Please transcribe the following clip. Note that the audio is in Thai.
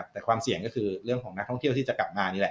แต่ความเสี่ยงก็คือเรื่องของนักท่องเที่ยวที่จะกลับมานี่แหละ